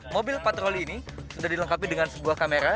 mobil patroli ini sudah dilengkapi dengan sebuah kamera